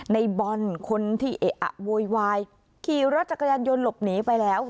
ในบอลคนที่เอะอะโวยวายขี่รถจักรยานยนต์หลบหนีไปแล้ว